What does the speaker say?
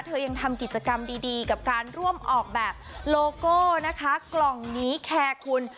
ยังทำกิจกรรมดีกับการร่วมออกแบบโลโก้นะคะกล่องนี้แคร์คุณ